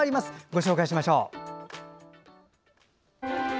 ご紹介しましょう。